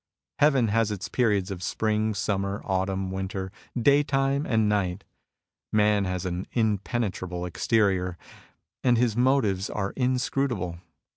Heaven has its periods of spring, summer, autumn, winter, daytime and night. Man has an impenetrable exterior, and his motives are inscrutable.